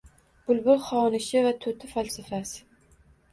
Bulbul xonishi va to‘ti falsafasi